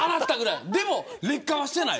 でも劣化はしていない。